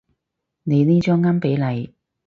你呢張啱比例